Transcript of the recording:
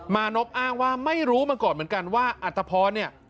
มานพอ้างว่าไม่รู้มาก่อนเหมือนกันว่าอัตภพรเนี่ย